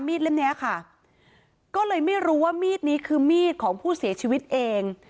เล่มเนี้ยค่ะก็เลยไม่รู้ว่ามีดนี้คือมีดของผู้เสียชีวิตเอง